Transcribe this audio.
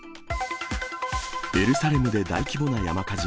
エルサレムで大規模な山火事。